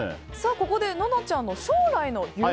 ここで、ののちゃんの将来の夢